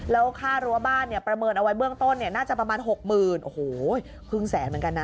แล้วค่ารั้วบ้านเนี่ยประเมินเอาไว้เบื้องต้นเนี่ยน่าจะประมาณ๖๐๐๐โอ้โหครึ่งแสนเหมือนกันนะ